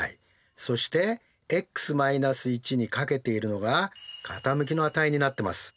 そしてｘ−１に掛けているのが傾きの値になってます。